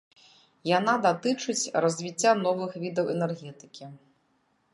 Яна датычыць развіцця новых відаў энергетыкі.